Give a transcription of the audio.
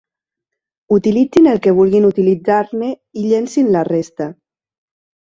Utilitzin el que vulguin utilitzar-ne i llencin la resta.